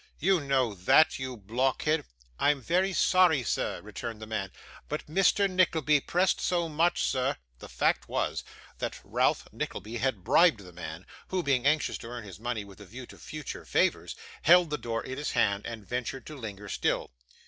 'You know that, you blockhead.' 'I am very sorry, sir,' returned the man. 'But Mr. Nickleby pressed so much, sir ' The fact was, that Ralph Nickleby had bribed the man, who, being anxious to earn his money with a view to future favours, held the door in his hand, and ventured to linger still.